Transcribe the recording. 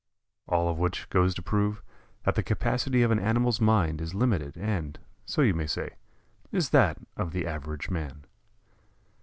All of which goes to prove that the capacity of an animal's mind is limited, and, so you may say, is that of the average man.